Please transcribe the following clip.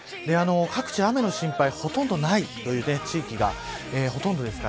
各地、雨の心配がほとんどないという地域がほとんどです。